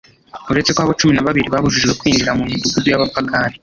uretse ko abo cumi na babiri babujijwe kwinjira mu midugudu y'abapagane